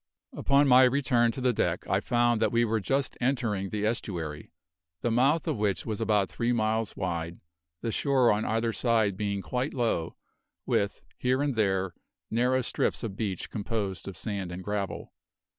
Upon my return to the deck I found that we were just entering the estuary, the mouth of which was about three miles wide, the shore on either side being quite low, with, here and there, narrow strips of beach composed of sand and gravel.